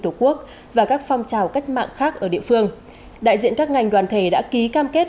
tổ quốc và các phong trào cách mạng khác ở địa phương đại diện các ngành đoàn thể đã ký cam kết